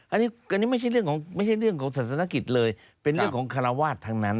อันนี้ไม่ใช่เรื่องของศาสนกิจเลยเป็นเรื่องของคาราวาททั้งนั้น